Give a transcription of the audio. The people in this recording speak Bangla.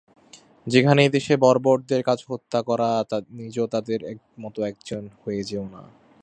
যেখানে এদেশে বর্বরদের কাজ হত্যা করা, নিজেও তাদের মতো একজন হয়ে যেয়ো না।